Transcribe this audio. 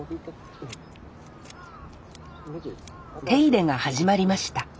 手入れが始まりました